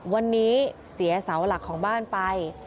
วันนี้เสียเสาหลักของบ้านไป